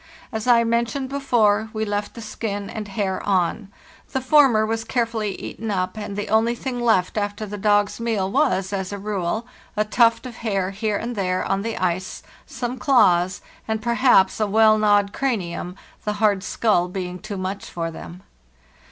As I men tioned before, we left the skin and hair on; the former BY SEEDGE AND KAVAK 245 was carefully eaten up, and the only thing left after the dogs' meal was, as a rule, a tuft of hair here and there on the ice, some claws, and, perhaps, a well gnawed cra nium, the hard skull being too much for them.